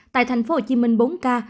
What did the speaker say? tại tp hcm bốn ca